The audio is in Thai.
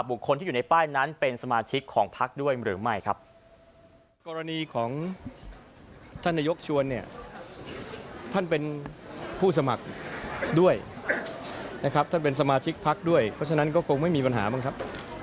คนที่อยู่ในป้ายนั้นเป็นสมาชิกของพักด้วยหรือไม่ครับ